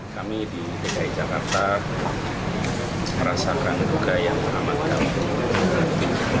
kami di dki jakarta merasakan duka yang teramat kami